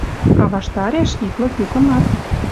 А ваштареш ит лык юкымат.